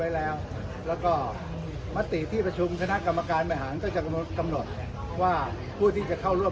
ไว้แล้วแล้วก็มติที่ประชุมคณะกรรมการบริหารก็จะกำหนดว่าผู้ที่จะเข้าร่วม